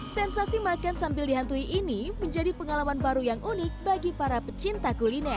sensasi makan sambil dihantui ini menjadi pengalaman baru yang unik bagi para pecinta kuliner